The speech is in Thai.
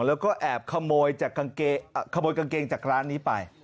แล้วก็แอบขโมยจากขโมยกางเกงจากร้านนี้ไป